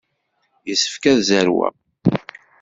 Yessefk ad zerweɣ.